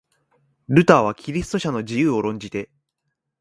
ルターはキリスト者の自由を論じて、